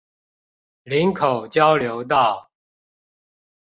林口交流道